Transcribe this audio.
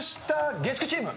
月９チーム。